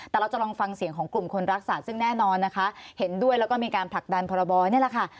แต่เราจะลองฟังเสียงของกลุ่มคนรักษาซึ่งแน่นอนนะคะเห็นด้วยแล้วก็มีการผลักดันพรบนี่แหละค่ะ